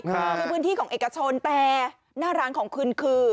คือพื้นที่ของเอกชนแต่หน้าร้านของคุณคือ